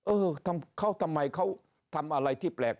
เออเขาทำไมเขาทำอะไรที่แปลก